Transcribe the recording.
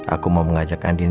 aku mau mengajak andin